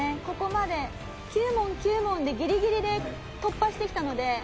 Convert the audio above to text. ここまで９問９問でギリギリで突破してきたので。